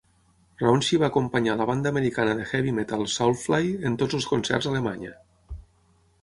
Raunchy va acompanyar la banda americana de heavy metal Soulfly en tots els concerts a Alemanya.